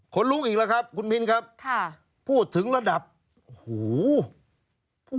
คนลุกอีกแล้วครับคุณมินครับค่ะพูดถึงระดับโอ้โห